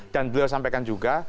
dan beliau sampaikan juga